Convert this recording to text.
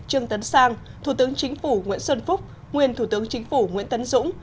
trương tấn sang thủ tướng chính phủ nguyễn xuân phúc nguyên thủ tướng chính phủ nguyễn tấn dũng